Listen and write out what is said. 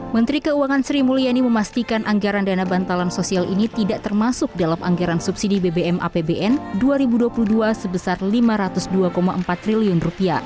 menteri keuangan sri mulyani memastikan anggaran dana bantalan sosial ini tidak termasuk dalam anggaran subsidi bbm apbn dua ribu dua puluh dua sebesar rp lima ratus dua empat triliun